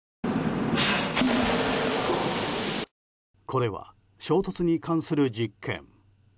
これは衝突に関する実験。